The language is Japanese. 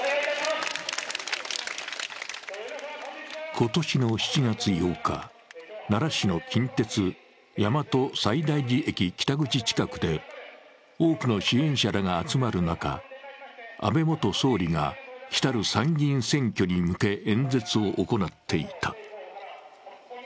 今年の７月８日、奈良市の近鉄大和西大寺駅近くで多くの支援者らが集まる中、安倍元総理が来たる参議院選挙に向け演説を行っていた。